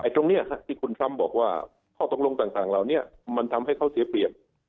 ตรงนี้ที่คุณทรัมป์บอกว่าข้อตกลงต่างเหล่านี้มันทำให้เขาเสียเปรียบ